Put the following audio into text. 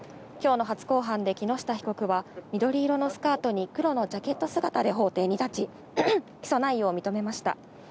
今日の初公判で木下被告は緑色のスカートに黒のジャケット姿で法廷に立ち、起訴内容を認めました。